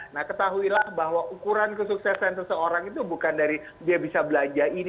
nah ketahuilah bahwa ukuran kesuksesan seseorang itu bukan dari dia bisa belanja ini